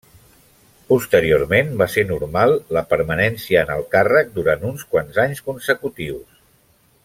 Posteriorment va ser normal la permanència en el càrrec durant uns quants anys consecutius.